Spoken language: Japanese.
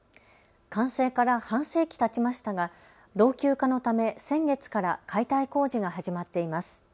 完成から半世紀たちましたが老朽化のため先月から解体工事が始まっています。